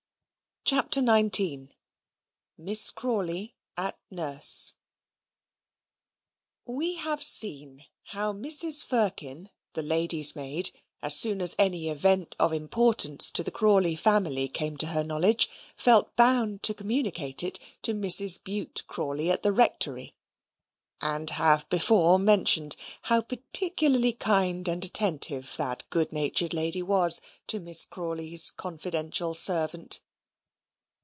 CHAPTER XIX Miss Crawley at Nurse We have seen how Mrs. Firkin, the lady's maid, as soon as any event of importance to the Crawley family came to her knowledge, felt bound to communicate it to Mrs. Bute Crawley, at the Rectory; and have before mentioned how particularly kind and attentive that good natured lady was to Miss Crawley's confidential servant.